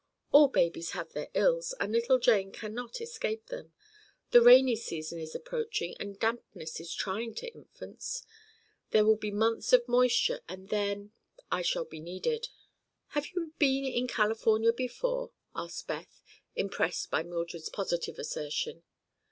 "All babies have their ills, and little Jane cannot escape them. The rainy season is approaching and dampness is trying to infants. There will be months of moisture, and then—I shall be needed." "Have you been in California before?" asked Beth, impressed by Mildred's positive assertion.